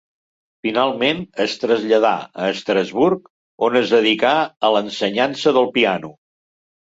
Finalment, es traslladà, a Estrasburg, on es dedicà a l'ensenyança del piano.